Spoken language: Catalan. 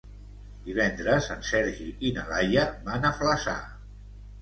Divendres en Sergi i na Laia van a Flaçà.